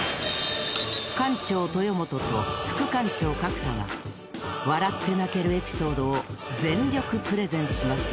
館長・豊本と副館長・角田が笑って泣けるエピソードを全力プレゼンします。